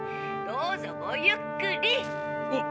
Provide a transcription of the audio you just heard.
どうぞごゆっくり！